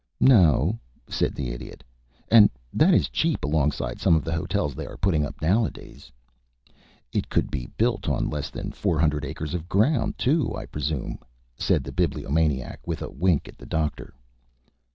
"No," said the Idiot. "And that is cheap alongside some of the hotels they are putting up nowadays." "It could be built on less than four hundred acres of ground, too, I presume?" said the Bibliomaniac, with a wink at the Doctor.